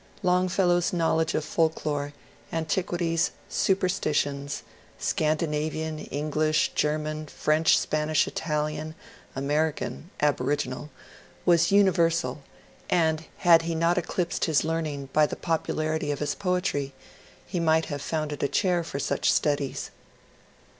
Longfellow's knowledge of folk lore, anti quities, superstitions, — Scandinavian, English, German, French, Spanish, Italian, American (aboriginal), — was uni versal, and had he not eclipsed his learning by the popularity of his poetry, he might have founded a chair for such studies.